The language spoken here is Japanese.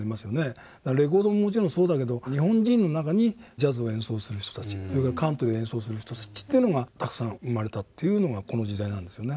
レコードももちろんそうだけど日本人の中にジャズを演奏する人たちそれからカントリーを演奏する人たちがたくさん生まれたというのがこの時代なんですよね。